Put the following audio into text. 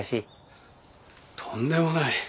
とんでもない。